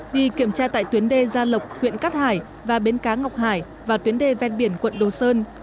đi kiểm tra tại tuyến đê gia lộc huyện cát hải và bến cá ngọc hải và tuyến đê ven biển quận đồ sơn